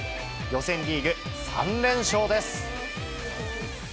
予選リーグ３連勝です。